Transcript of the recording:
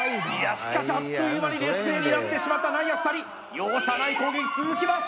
しかしあっという間に劣勢になってしまった内野２人容赦ない攻撃続きます